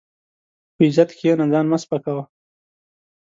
په عزت کښېنه، ځان مه سپکاوه.